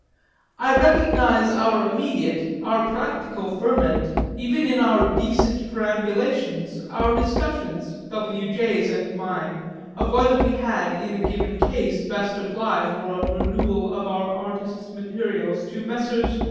I recognise our immediate, our practical ferment even in our decent perambulations, our discussions, W. J.'s and mine, of whether we had in a given case best apply for a renewal of our "artists' materials" to Messrs.